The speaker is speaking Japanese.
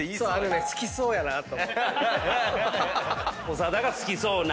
長田が好きそうな。